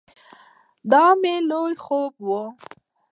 دا مې لوی خوب ؤ